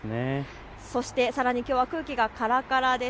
そしてさらにきょうは空気がからからです。